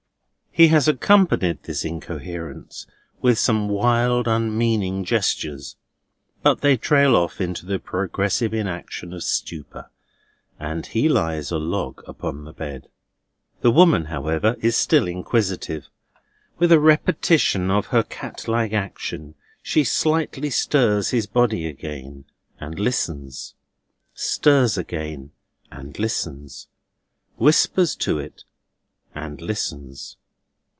He has accompanied this incoherence with some wild unmeaning gestures; but they trail off into the progressive inaction of stupor, and he lies a log upon the bed. The woman, however, is still inquisitive. With a repetition of her cat like action she slightly stirs his body again, and listens; stirs again, and listens; whispers to it, and listens.